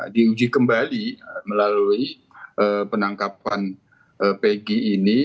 di uji kembali melalui penangkapan pg ini